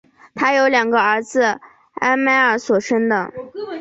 她有两个儿子艾麦尔所生的。